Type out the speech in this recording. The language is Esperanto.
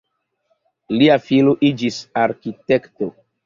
Lia filo iĝis arkitekto.